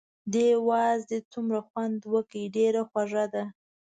دې وازدې څومره خوند وکړ، ډېره خوږه ده.